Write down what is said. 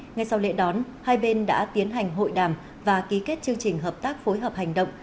ngay sau lễ đón hai bên đã tiến hành hội đàm và ký kết chương trình hợp tác phối hợp hành động